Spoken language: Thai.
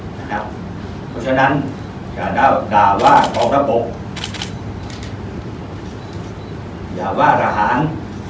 เพราะฉะนั้นอย่าด่าว่ากองทัพบกอย่าว่าทหาร